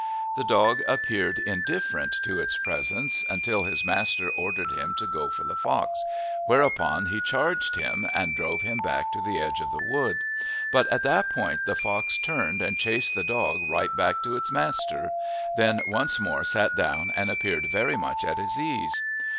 The dog appeared indifferent to its presence until his master ordered him to go for the fox, whereupon he charged him and drove him back to the edge of the wood, but at that point the fox turned and chased the dog right back to its master, then once more sat down and appeared very much at his ease.